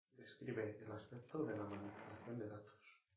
Describe el aspecto de la manipulación de datos.